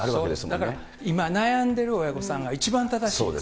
だから今悩んでる親御さんが一番正しい。